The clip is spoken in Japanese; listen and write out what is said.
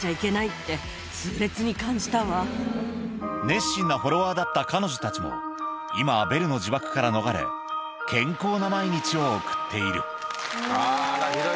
熱心なフォロワーだった彼女たちも今はベルの呪縛から逃れ健康な毎日を送っているあら